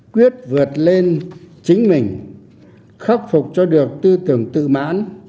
quyết vượt lên chính mình khắc phục cho được tư tưởng tự mãn